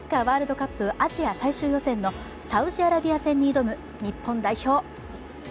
ワールドカップアジア最終予選のサウジアラビア戦に挑む日本代表。